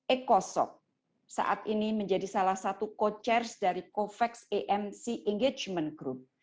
ecosop saat ini menjadi salah satu co chairs dari covax amc engagement group